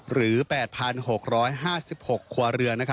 หรือ๘๖๕๖ครัวเรือน